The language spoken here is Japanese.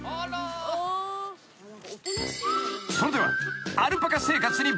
［それでは］